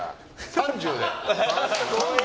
３０で！